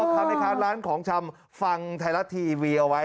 ก็ทำให้ร้านของชำฟังไทยรัฐทีวีเอาไว้